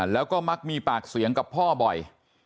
แล้วก็มักมีปากเสียงกับพ่อบ่อย